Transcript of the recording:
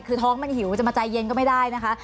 คือท้องมันหิวจะมาใจเย็นก็ไม่ได้นะคะ